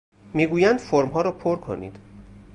می گویند فرم ها را پر کنید.